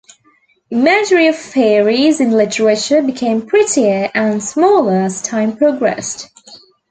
Imagery of fairies in literature became prettier and smaller as time progressed.